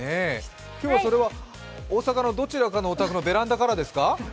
今日それは大阪のどちらかのお宅のベランダからですか？